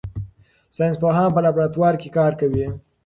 ساینس پوهان په لابراتوار کې کار کوي.